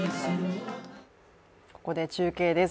ここで中継です。